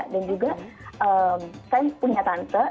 dan juga saya punya tante